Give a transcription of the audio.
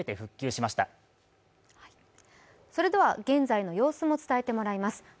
現在の様子も伝えてもらいます。